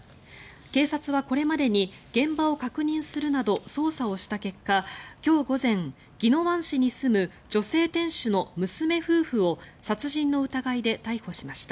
警察はこれまでに現場を確認するなど捜査をした結果今日午前、宜野湾市に住む女性店主の娘夫婦を殺人の疑いで逮捕しました。